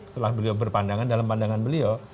setelah beliau berpandangan dalam pandangan beliau